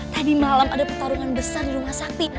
tadi malam ada pertarungan besar di rumah sakti